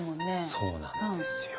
そうなんですよ。